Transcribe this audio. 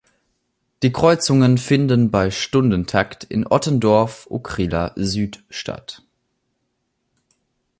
Die Kreuzungen finden bei Stundentakt in Ottendorf-Okrilla Süd statt.